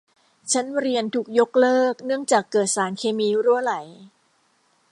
ชั้นเรียนถูกยกเลิกเนื่องจากเกิดสารเคมีรั่วไหล